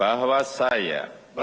tak hanya masyarakat